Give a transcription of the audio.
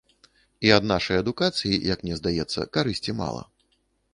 І ад нашай адукацыі, як мне здаецца, карысці мала.